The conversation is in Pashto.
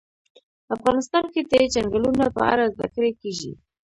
افغانستان کې د چنګلونه په اړه زده کړه کېږي.